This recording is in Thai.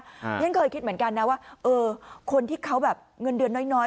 ฉันเคยคิดเหมือนกันนะว่าเออคนที่เขาแบบเงินเดือนน้อย